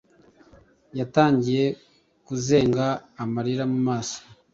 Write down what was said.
yatangiye kuzenga amarira mumaso